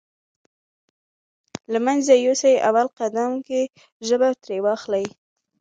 له منځه يوسې اول قدم کې ژبه ترې واخلئ.